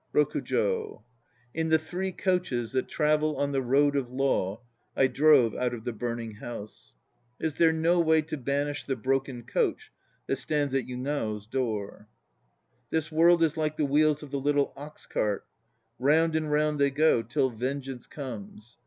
ROKUJO. In the Three Coaches That travel on the Road of Law I drove out of the Burning House .. 1 Is there no way to banish the broken coach That stands at Yugao's door? 2 This world Is like the wheels of the little ox cart; Round and round they go ... till vengeance comes.